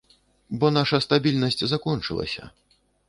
Бо наша стабільнасць закончылася.